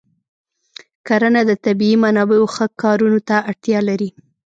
کرنه د طبیعي منابعو ښه کارونه ته اړتیا لري.